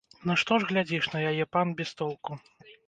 Нашто ж глядзіш на яе, пан, без толку?